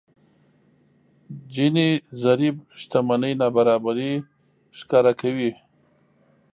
جيني ضريب شتمنۍ نابرابري ښکاره کوي.